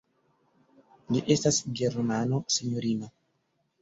Li estas Germano, sinjorino.